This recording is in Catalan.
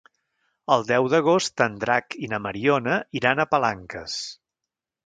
El deu d'agost en Drac i na Mariona iran a Palanques.